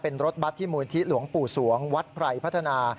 เป็นรถบัตรที่มูลที่หลวงปู่สวงวัดไพรพัฒนา